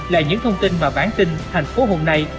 là những thông tin và bản tin thành phố hồn nay